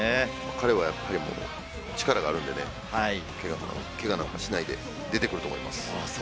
彼は力があるので、けがなんかしないで出てくると思います。